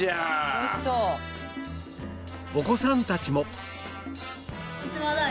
お子さんたちも